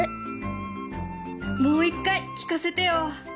もう一回聞かせてよ。